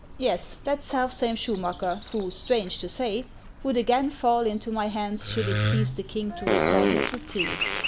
Yes, that selfsame Sclmmacker who, strange to say, would again fall into my hands should it please the king to recall his reprieve.